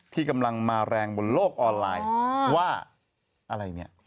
ที่กำลังมาแรงบนโลกออนไลน์ว่าอะไรเนี่ย